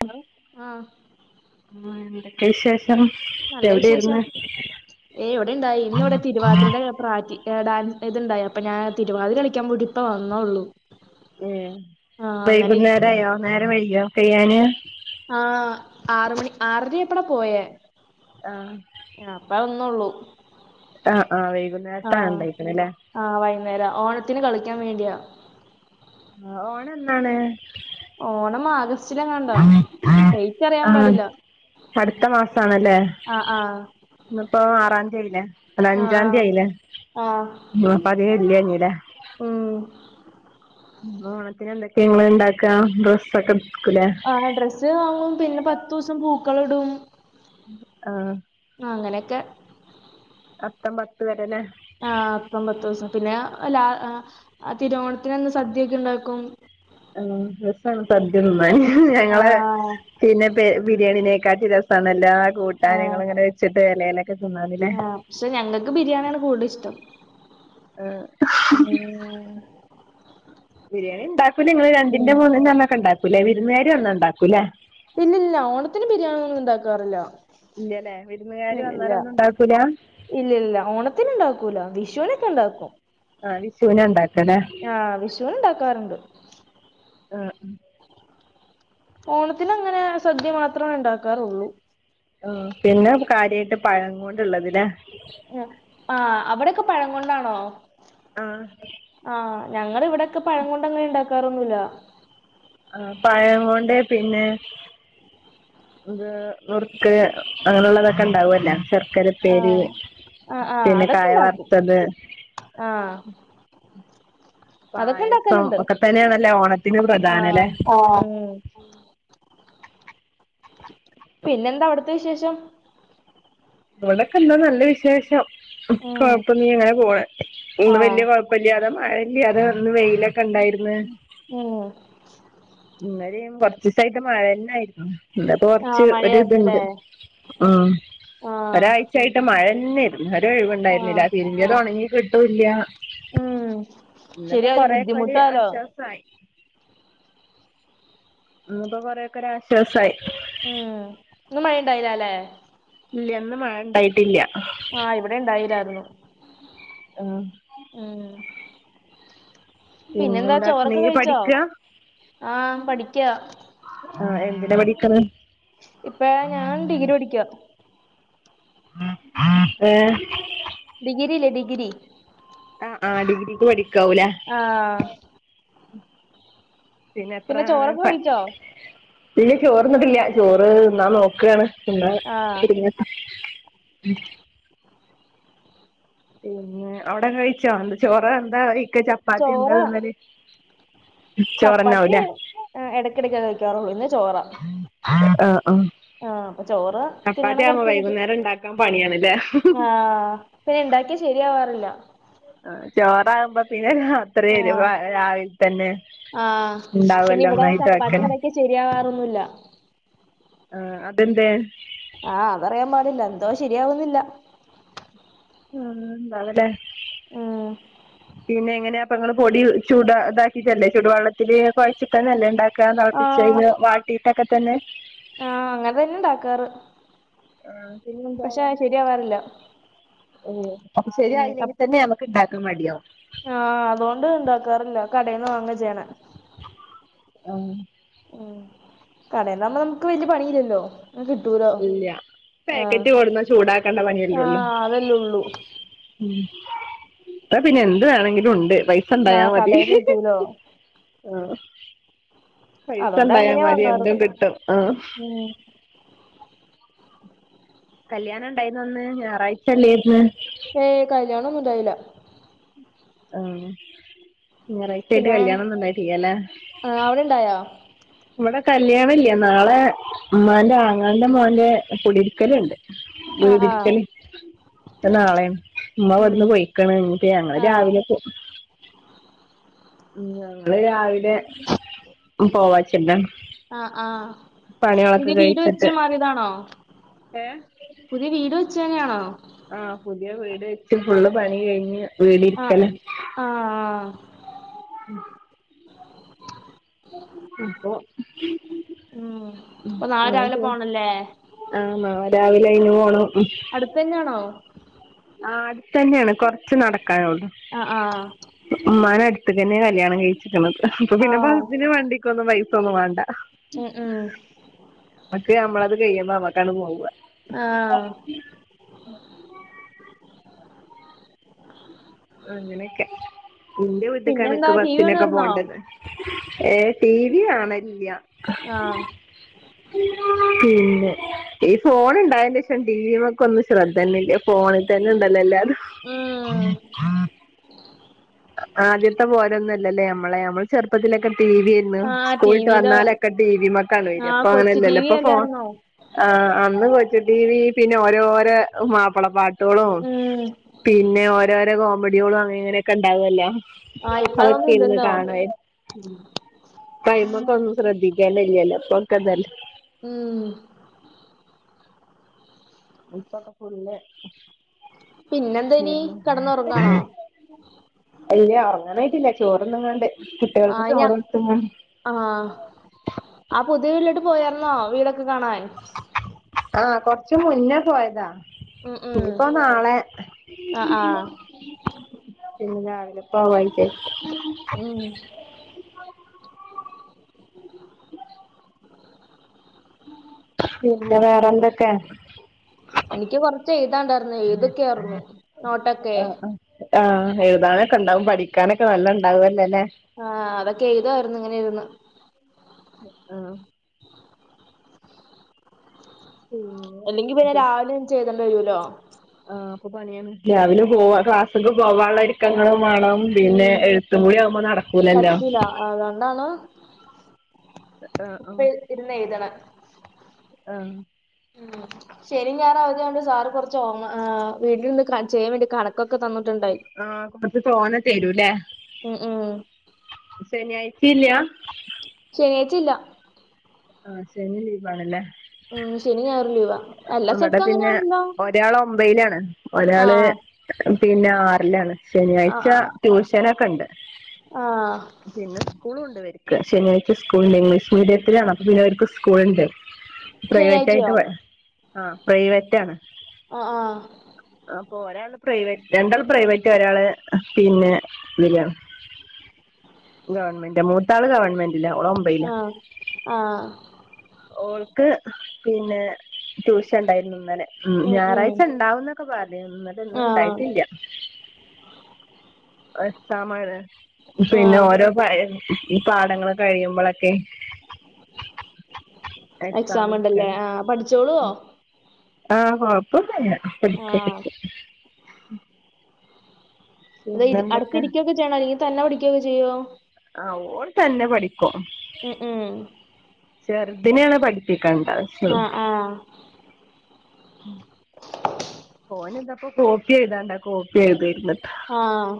Hello ആഹ ആ എന്തക്കേ വിശേ ഷം നല്ല വിശേഷം. എവിടെര്ന്ന് ഏയ് ഇവിടെണ്ടായി. ഇന്നിവിടെ [inaudible] തിരുവാതിരയുടെ പ്രാറ്റി ഡാൻസ് ഇത്ണ്ടായി അപ്പൊ ഞാൻ തിരുവാതിര കളിക്കാൻ കൂടി ഇപ്പ വന്നേള്ളൂ ഏ വൈകുന്നേര ആയോ നേരം വൈകിയോ കഴ്യാന് ആ ആറ് മണി ആറര എയപ്പളാ പോയേ ആഹ് ആ അപ്പ ഒന്നള്ളൂ ആഹ ആഹ് വൈകുന്നേരത്തണ ഉണ്ടായിരിക്കുന്ന അല്ലേ ആഹ് വൈകുന്നേരം ഓണത്തിന് കളിക്കാൻ വേണ്ടിയാ ആ ഓണ എന്നാണ് ഓണം ആഗസ്റ്റിലെങ്ങാണ്ട ഡേറ്റ് അറിയാൻ ആഹ് പാടില്ല അടുത്ത മാസണല്ലേ ആഹ് ആഹ് ഇന്നപ്പ ആറാം തീയ ആയില്ല അല്ല ആഹ് അഞ്ചാംതിയതി ആഹ് ആയില്ല ആഹ് ഇപ്പ അതികം ഇല്ല ഇനി ലേ ഉം ഓണത്തിന് എന്തൊക്കെയ ഇങ്ങ ഇണ്ടാക്കാ ഡ്രസ്സൊക്കെ എടുക്കൂല ആ ഡ്രസ്സ് വാങ്ങും പിന്നെ പത്തു ദിവസം പൂക്കൾ ഇടും ആഹ് ആ അങ്ങനെയൊക്കെ അത്തം പത്ത് വരെ ലെ ആ് അപ്പ പത്ത് ദിവസം പിന്നെ ലാ തിരുവോണത്തിൻ്റെ അന്ന് സദ്യ ഒക്കെ ഉണ്ടാക്കും ആഹ് രസണ് സദ്യ തിന്നാന് ആ ങ്ങളെ പിന്നെ ബിരിയാണിനേക്കാട്ടി രസ സണ് ല്ലാ കൂട്ടാനങ്ങളൾങ്ങനെ വെച്ചിട്ട് ലേല്ലെ ആഹ് പക്ഷെ ഞങ്ങക്ക് ബിരിയാണിയാണ് കൂടുതൽ ഇഷ്ടം ആഹ് ബിരിയാണി ഉണ്ടാക്കൂലെ ങ്ങള് രണ്ടിന്റെ ഉം മൂന്നിന്റെ അന്നൊക്കെ ഉണ്ടാക്കൂലേ വിരുന്നുകാര് വന്ന ഇണ്ടാക്കൂലേ ഇല്ലില്ല ഓണത്തിന് ബിരിയാണി ഒന്നും ഇണ്ടാക്കാറില്ലോ ഇല്ലല്ലേ വിരുന്നുകാര് വന്നാല് ഒന്നും ഉണ്ടാക്കൂല? ഇല്ലല്ല ഓണത്തിന് ഇണ്ടാക്കൂല വിഷുനൊക്കെ ഇണ്ടാക്കും ആഹ് വിഷുവിനെ ഇണ്ടാക്കനെ ആഹ് വിഷുന്ണ്ടാക്കാറ്ണ്ട് അഹ് ഓണത്തിനങ്ങനെ സദ്യ മാത്രേണ് ഇണ്ടാക്കാറുള്ളൂ ആഹ് പിന്നെ കാര്യമായിട്ട് പഴ കൊണ്ടുള്ളതില്ലെ ആഹ് ആഹ് അവിടെൊക്കെ പഴം കൊണ്ടാണോ ആഹ് ആഹ് ഞങ്ങ ഇവിടെൊക്കെ പഴം കൊണ്ട്ങ്ങനെ ഉണ്ടാക്കാറൊന്നുല്ല ആഹ് പഴ കൊണ്ട് പിന്നെ ഇത് നുറുക്ക് അങ്ങനെള്ളതൊക്കെ ഉണ്ടാവല്ലേ ചെറ് ആ അക്കരപ്പേരി പിന്നെ കായ വറുത്തത് ആഹ് പായസം ഇണ്ടാക്കല്ണ്ട്. ഒക്കെ തന്നെയണല്ലേ ഓണത്തിന് ആഹ് പ്രധാനല്ലേ ഉം പിന്നെന്താ അവിടുത്തെ വിശേഷം ഇവടൊക്കെ എന്താ നല്ല വിശേഷം ഉം കൊഴപ്പ നീ അങ്ങനെ പോണ് ഇന്ന് ആഹ് വല്യ കൊഴപ്പല്ലാതെ മഴല്ലാതെ ഇന്ന് വെയില ക്കണ്ടായിര്ന്ന് ഉം ഇന് ലിം കൊറച്ചീസയിട്ട് മഴന്നെയിരുന്നു ഇന്ന്പ്പോ കൊറച്ച് ആഹ് ഒര് മഴയായിരുന്നുല്ലേ ഇത്ണ്ട് ആഹ് ആഹ് ഒരാഴ്ചായിട്ട് മഴന്നെയിരുന്നു ഒരു ആഹ് ഒഴിവുണ്ടായിരുന്നില്ല അ [unintelligible] ത് െണങ്ങി കിട്ടൂല്ല ഉം ഇന്ന്പ്പോ ശരിയാ ഒരു കൊറേക്കൊരു ബുദ്ധിമുട്ടാലോ ആശ്വാസയി. പ്പൊ കൊറേക്കൊരാശ്വാസായ് ഉം ന്ന് മഴണ്ടായീലാലേ? ഇല്ല ഇന്ന് മഴ ണ്ടായ്ട്ടില്ല ആഹ് ഇവ്ടെണ്ടായില്ലാർന്നു ഉം ഉം പിന്നെന്താ നീ ചോറൊക്കെ കഴിച്ചോ? പഠിക്കാ ആഹ് പഠിക്കാ. ആഹ് എന്തിന പഠിക്ക്ന്നേ ഇപ്പഴ ഞാൻ ഡിഗ്രി പഠിക്കാ. ഏ ഗ്രില്ലേ ഡിഗ്രി അ ആഹ് ഡിഗ്രിക്ക് പഠിക്കാവുലേ? ആഹ് ന്നെ എത്ര പിന്നെ [unintelligible] ചോറൊക്കെ പ കഴിച്ചോ? ഇല്ല ചോറ്ന്ന്ട്ടില്ല ചോറ് ന്നാൻ നോക്കാണ് ന്നാ ആഹ് ഒര്ങ്ങ ഉം പിന്നെ അവ്ടെക്കെ കഴ്ച്ചോ എന്താ ചോറാ എന്താ ഇക്ക ചപ്പാത്ത്യാ എന്താ തിന്നല് ചപ്പാത്തീ ചോറന്നാവൂലേ എട്ക്കെടെക്കെ കഴ്ക്കാറൊള്ളൂ ഇന്ന് ചോറാ അ ആഹ് ആഹ് അപ്പൊ ചോറ് തിന്നണം പ്പാത്ത്യാവുമ്പോ കൊറച്ച് കഴിഞ്ഞിട്ട് വൈകുന്നേരണ്ടാ പണിയാണ്ലേ ആഹ് പിന്നെണ്ടാക്ക്യാ ശെരിയാവാറില്ല ചോറാവ്മ്പ പിന്നെ ആഹ് ഇത്രയും ആഹ് എരിവാ രാവില്ത്തെന്നെ ആഹ് പിന്നെ ണ്ടാവല്ലോ ഇവിടെ ഒന്നായ്ട്ട് ചപ്പാത്തി വെക്കാൻ ഇണ്ടാക്കിയ ശരിയാവാറൊന്നുല്ല ആഹ് അതെന്തേ ആഹ് അതറിയാൻപാടില്ല എന്തോ ശെരിയാവുന്നില്ല മ് ന്താവലേ ഉം പിന്നെങ്ങെനാ പ്പങ്ങൾ പൊടി ചുടാ താക്കീട്ടല്ലേ ചൂട് വെള്ളത്തിൽ കൊഴ്ച്ച്ട്ടെന്നെല്ലേ ഉണ്ടാ ക്കാ ആഹ് തള്പ്പിച്ചെയ്ന് വാട്ടീട്ടൊക്കെതന്നെ ആഹ് അങ്ങന് തെന്നെണ്ടാക്കാറ് ആഹ് പക്ഷെ ശര്യാവാറില്ല ഓ അപ് അപ്പംശെര്യായില്ലെങ്കിത്തെന്നെ നമ്മക്ക് ണ്ടാക്കാൻ മട്യാവും ആഹ് അതോണ്ട് ണ്ടാക്കാറില്ല കടേന്ന് വാങ്ങാ ചെയ്യ്ണെ ആഹ് ഉം കടേന്നാവ്മ്പം നമ്ക്ക് വെല്യ പണിയില്ലെല്ലോ ഇങ്ങ് കിട്ടൂലോ ആഹ് പേക്കറ്റ് കൊട്ന്ന ചൂടാക്കേണ്ട പണ്യല്ലൊള്ള് ആഹ് അതല്ലേ ഉള്ളൂ ഉം പ്പൊ പിന്നെന്ത് വേണെങ്കിലുണ്ട് പൈ സണ്ടയാ ആഹ് മതി കടേന്ന് കിട്ടൂലോ ആഹ് അതുകൊണ്ട് പൈസണ്ടായാ അങ്ങനെയാ മതി വാങ്ങാറ് എന്തും കിട്ടും ആഹ് ഉം കല്യാണം ണ്ടായിനോന്ന് ഞായറാഴ്ചല്ലേർന്ന് ഏയ് കല്യാണൊന്നുണ്ടായ്ല ആഹ് ഞറായ്ച്ചായ്ട്ട് പിന്നെ കല്ല്യാണൊന്നുണ്ടായിട്ടില്ലലേ ആഹ് അവിടെ ഇണ്ടായോ ഇവടെ കല്ല്യാണില്ല നാളെ മ്മാന്റെ ആങ്ങളന്റെ മോന്റെ കുടിര്ക്കല്ണ്ട് ആഹ് ആഹ് വീടിര്ക്കല് നാളേണ് മ്മ ഉം ഇവിട്ന്ന് പോയ്ക്ക്ണ് ഞങ്ങള് ആഹ് രാവിലെ പോവു ഉം ഞങ്ങള് രാവിലെ പോവാച്ച്ട്ടാ ആ ആഹ് പുത്യേ വീട് വെച്ച് കഴിച്ചിട്ട് മാറ്യതാണോ ഏ പുത്യേ വീട് വെച്ചെന്നേണോ ആഹ് പുതിയ വീട് വെച്ച് ഫുള്ള് പണി കഴ്ഞ്ഞ് ആഹ് വീടിര്ക്കലാ ആഹ് അപ്പൊ ഉം അപ്പൊ നാളെ രാവിലെ [unintelligible] പോണല്ലേ ആ നാളെ രാവിലെ അയിന് പോണം അടുത്തുതന്നെയാണോ ആ അടുത്ത തന്നെയാണ് കൊറച്ച് നടക്കാനുള്ളൂ ആ ആഹ് ഉമ്മാന അടുത്ത തന്നെ കല്യാണം കഴിച്ചിരിക്കുന്നത് അപ്പൊ പിന്നെ ആഹ് പന് വേണ്ടി ക്ക് ഒന്നും പൈസൊന്നും വേണ്ട ഉം ആ പക്ക് നമ്മളത് കഴിയുമ്പ നമ്മക്കാണ് പോവുക ആഹ് അങ്ങനെയൊക്കെ ഇന്റെ വിട്ട്കാണ് പിന്നെന്താ എക്ക് ടി വി ബസ്സിനൊക്കെ കാണുവായിരുന്നോ പോവണ്ടത് ഏഹ് ടി വി കാണല്ല്ല ആഹ് പിന്നെ ഈ ഫോൺ ഉണ്ടായന്റെ ശക്ഷം ടി വിക്കെ ഒും ശ്രദ്ധ തന്ന ഇല്ല ഫോണിൽ തന്നെ ഉണ്ടല്ലോ എല്ലാരരും ഉം ആദ്യത്തെ പോരൊന്നുമല്ലല്ലേ നമ്മളെ നമ്മൾ ചെറുപ്പത്തിലൊക്കെ ടി വി ന്ന ആഹ് സ്കൂളിട്ട് ടിവിയില് വന്നാലൊക്കെ ടി വി മക്കാണ് വര ആഹ് അപ്പൊ കൊച്ചു ടി അങ്ങനെല്ലല്ലോ വി ഇപ്പൊ ഫോ അല്ലായിരുന്നോ ആഹ്അന്ന് കൊച്ച ടിവി പിന്നെ ഓരോരോ മാപ്പിളപ്പാട്ട് ഉം പിന്നെ ഓരോരോ കോമഡികളും അങ്ങനെ ഇങ്ങനെയൊക്കെ ഉണ്ടാവല്ല ആഹ് ഇപ്പ അതൊക്കെ അതൊന്നും ഇന്ന് ഇല്ലല്ലോ കാണയ് കൈ്മക്ക ഒന്നും ശ്രദ്ധിക്കല ഇല്ലല്ല പക്കതല്ല ഉം ഉപ്പൊക്കെ ഫുള്ള പിന്നെന്തേനി കെടന്നുറങ്ങാണോ [unintelligible] ഇല്ല ഉറങ്ങാനായിട്ടില്ല, ചോറൊന്നുങ്ങാണ്ട്, കുട്ടികൾക്ക് ചോറ് കൊടുത്തും ആഹ് ആ പുതിയ വീട്ടിലോട്ട് പോയരുന്നോ വീടൊക്കെ കാണാൻ? ആഹ് കുറച്ചു മുന്നേ പോയതാ ഉം ഉം ഇനിപ്പൊ നാളെ ആ ആ പിന്നെ രാവിലെ പോവാനില്ലേ ഉം പിന്നെ വേറെന്തൊക്കെ? എനിക്ക് കൊറച്ച് എഴുതാണ്ടായിരുന്നു ഏഴു തൊക്കെയായിരുന്നു നോട്ടൊക്കെ ആ ആഹ് എഴുതാനൊക്കെ ഉണ്ടാവും, പഠിക്കാനൊക്കെ നല്ല ഉണ്ടാവുംല്ലേല്ലെ ആഹ് അതൊക്കെ എഴുതായിരുന്നു ഇങ്ങനെ ഇരുരുന്നു ആഹ് അല്ലെങ്കി പിന്നെ രാവിലെ നീച്ച് എഴ്തേണ്ടി വരോലോ ആഹ് അപ്പൊ പണിയാണ്, രാവിലെ പോവാ ക്ലാസ്സക്ക് പോവാനുള്ള ഒരുക്കങ്ങളും വേണം പിന്നെ ഉം എഴുത്തും കൂടി ആവുമ്പോ നടക്കൂലല്ലോ പറ്റൂല അതുകൊണ്ടാണ് ആഹ് ആഹ് ഇപ്പ ഇര്ന്ന് എഴുതണം ആഹ് ശനി, ഞായർ അവധിയ ആയോണ്ട് സാറ് കുറച്ച് ഓങ്‌, ആ വീട്ടിൽ നിന്ന് ചെയ്യൻ വേണ്ടി കണക്കൊക്കെ തന്നിട്ടുണ്ടായി ആഹ് കൊറച്ച് തോന തരുലേ ഉം ഉം ശനി ആയിച്ചിം ഇല്ലാ? ശനിയാഴ്ച്ച ഇല്ല ആഹ് ശനി ലീവാണല്ലേ. ഉം ശനിം ഞായറും ലീവാ, എല്ലാ സ്ഥലത്തും അങ്ങനെ ആണല്ലോ ഒരാൾ ഒമ്പയിനാണ്, ഒരാള് പിന്നെ ആറിലാണ് ആ ശനിയാഴ്ച ട്യൂഷനൊക്കെ ഉണ്ട് ആ ആ പിന്നെ സ്കൂളും ഉണ്ട് ഇവർക്ക്, ശനിയാഴ് സ്കൂൾണ്ട് ഇംഗ്ലീഷ് മീഡിയത്തിലാണ് അപ്പൊ പിന്നെ അവർക്ക് സ്കൂൾുണ്ട്, പ്രൈവറ്റ് ശനിയാഴ്ചയോ ആയിട്ട് പ ആഹ്, പ്രൈവറ്റാണ് അഹ്, ആഹ് അപ്പോരെ പ്രൈവറ്റ് രണ്ടാൾ പ്രൈവറ്റ് ഒരാള് [unintelligible] ഇതിലാണ് ഗവൺമെന്റ, മൂത്താള് ഗവൺമെന്റ്ല്ല ഓളെ ആഹ് ആഹ് ഓൾക്ക് പിന്നെ ട്യൂഷൻ ഉണ്ടായിരുന്നു ഇന്നനെ ഉം, ഞായറാഴ്ച ഉണ്ടാവന്നൊക്കെ പറയും, ഇന്നട്ട് ആ ഇന്ന് ഇണ്ടായിട്ടില്ല എക്സാമാണ്, ആ പിന്നെ ഓരോ [unintelligible] ഈ പാടങ്ങൾ കഴിയുമ്പൊളൊക്കെയ് എക്സാം ഉണ്ടല്ലേ ആഹ് പഠിച്ചോളോ? ആഹ്, കൊഴപ്പം ഒന്നുല്ല ആ [unintelligible] അതയത് പിന്നെന്തൊക്കെ അടുത്തിരിക്കൊക്കെ ചെയ്യണോ, അല്ലെങ്കിൽ തന്നെ പഠിക്കുകയൊക്കെ ചെയ്യോ? ആഹ്, ഓള് തന്നെ പഠിക്കും ഉം ഉം ചെറുതിനിനെയാണ് പഠിപ്പിക്കേണ്ടത് ആഹ് ആഹ് ഉം ഓൻ താപ്പോ കോപ്പി എഴുതാണ്ട്, ആ കോപ്പി എഴുതരുന്നട്ടോ ആഹ്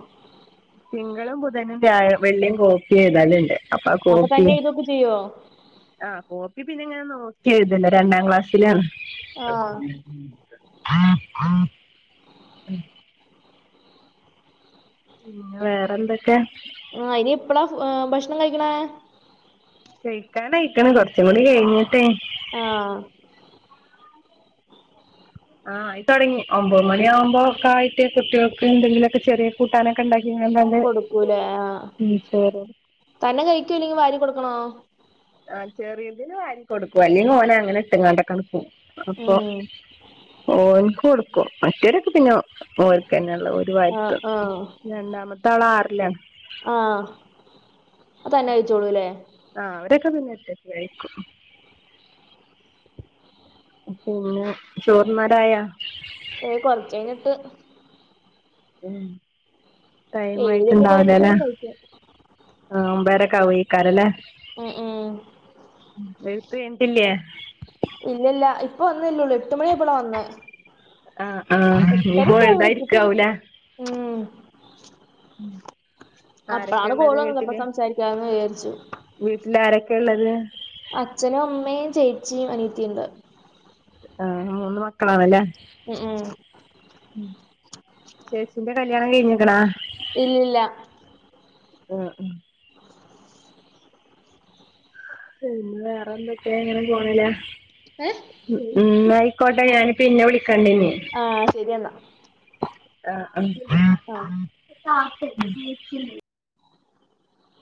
തിങ്കളും ബുധനും വ്യാഴം, വെള്ളിയിം കോപ്പി എഴുതലുണ്ട് അപ്പാ അപ്പൊ കോക്കി തന്നെ എഴുതുവൊക്കെ ചെയ്യുവോ ആഹ് കോപ്പി പിന്നെ ഞാൻ നോക്കി എഴുതലാ രണ്ടാം ക്ലാസ്സിലാണ് ആ ആ ആഹ പിന്നെ വേറെന്തൊക്കെയാ ആഹ് ഇനി എപ്പളാ ഭക്ഷണം കഴിക്ക്ണേ കഴിക്കാൻ ആയിക്ക്ണ് കൊറച്ചു കൂടി കഴിഞ്ഞിട്ടേ ആഹ് ആഹ് ആയി തൊടങ്ങി ഒമ്പത് മണിയാകുമ്പോ ഒക്കെ ആയിട്ട് കുട്ടികൾക്ക് എന്തങ്കിലൊക്കെ ചെറിയ കൂട്ടാനൊക്കെ ഇണ്ടാക്കികാട്ട് ആണ്ട് കൊടുക്കൂലേ ആ ഉം പോവൊള്ളു തന്നെ കഴിക്കോ ഇല്ലെങ്കിൽ വാരി കൊടുക്കണോ ആ ചെറീതിന് വാരി കൊടുക്കും അല്ലെങ്കിൽ ഓന് അങ്ങനെ ഇട്ട് കാണ്ട്ക്കട് അപ്പൊ ഉം ഓൻക്ക് കൊട് ക്കും മറ്റോരൊക്കെ പിന്നെ ഓൽക്കെന്നെള്ളെ ത് ആ വാരിട്ട് ആ രണ്ടാമത്തെ ആള് ആറിലാണ് ആഹ് അ തന്നെ കഴിച്ചോളൂല്ലേ ആഹ് അവരൊക്കെ പിന്നെ ഒറ്റക്ക് കഴിക്കും പിന്നെ ചോർന് നേരായാ ഏയ് കൊർച്ച് കഴിഞ്ഞിട്ട് ഉം ടൈം ആയിട്ട് ഏഴിലൊക്കെ കഴിഞ്ഞിട്ട് ഇണ്ടാവൂലല്ലേ വേണം കഴിക്കാൻ ആ ഒമ്പേരൊക്കെ ആവു എയ്ക്കാരല്ലേ ഉം ഉം ഉം വേണ്ടില്ലേ ഇല്ലല്ല ഇപ്പൊ വന്നല്ലേ ഒള്ളൂ എട്ട് മണി ആയപ്പളാ വന്നേ ആ ആഹ് ഇനിപ്പോ എത്തിയത് എഴുതാരിക്കാവൂലെ ഉം ഉം അപ്പഴാണ് കോള് വന്നപ്പ സംസാരിക്കാന്ന് വിചാരിച്ചു വീട്ടില് ആരൊക്കെയ ഉള്ളത് അച്ഛനും അമ്മയും ചേച്ചിയും അനിയത്തിയുണ്ട് ആഹ് മൂന്ന് മക്കളാണ്ല്ലേ ഉം ഉം ഉം ചേച്ചിന്റെ കല്യാണം കഴിഞ്ഞ്ക്ക്ണാ ഇല്ലില്ല ആ ആഹ് പിന്നെ വേറെ എന്തൊക്കെയ അങ്ങനെ പോണ്ല്ലേ ഏഹ് ഉം ന്നാ ആയിക്കോട്ടെ ഞാന് പിന്നെ വിളിക്കണ്ടിനി ആഹ് ശരിയെന്നാ ആഹ് ആഹ്